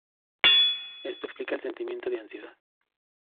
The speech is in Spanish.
Esto explica el sentimiento de ansiedad.